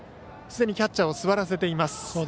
すでにキャッチャーを座らせています。